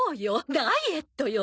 ダイエットよ！